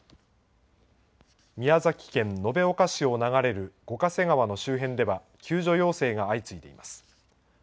宮崎県延岡市を流れる五ヶ瀬川の周辺では救助要請が相次いでいます。